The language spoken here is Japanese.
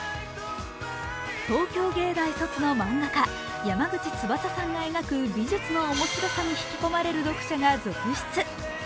東京藝大卒の漫画家・山口つばささんが描く美術の面白さに引き込まれる読者が続出。